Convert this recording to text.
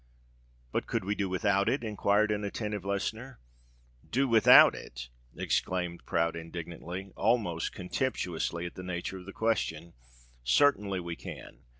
"But could we do without it?" enquired an attentive listener. "Do without it!" exclaimed Prout, indignantly—almost contemptuously, at the nature of the question: "certainly we can!